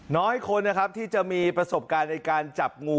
น้อยคนนะครับที่จะมีประสบการณ์ในการจับงู